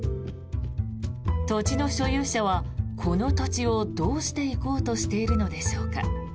土地の所有者はこの土地をどうしていこうとしているのでしょうか。